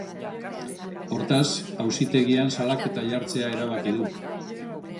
Hortaz, auzitegian salaketa jartzea erabaki du.